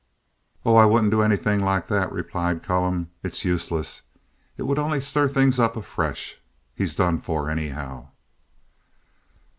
"Oh, I wouldn't do anything like that," replied Callum. "It's useless. It would only stir things up afresh. He's done for, anyhow."